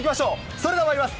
それではまいります。